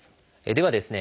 ではですね